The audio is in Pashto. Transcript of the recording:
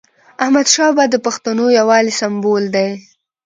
احمدشاه بابا د پښتنو یووالي سمبول دی.